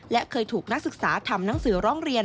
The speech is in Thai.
และเคยถูกนักศึกษาทำหนังสือร้องเรียน